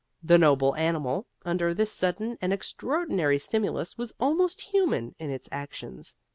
The noble animal, under this sudden and extraordinary stimulus, was almost human in its actions.